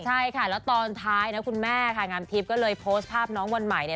ใช่ค่ะแล้วตอนท้ายนะคุณแม่ค่ะงามทิพย์ก็เลยโพสต์ภาพน้องวันใหม่เนี่ย